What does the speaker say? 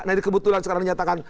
nah ini kebetulan sekarang dinyatakan